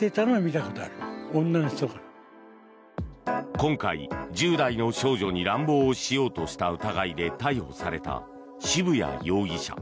今回、１０代の少女に乱暴しようとした疑いで逮捕された渋谷容疑者。